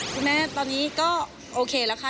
คุณแม่ตอนนี้ก็โอเคแล้วค่ะ